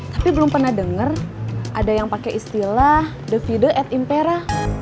tapi belum pernah denger ada yang pakai istilah dvd at impra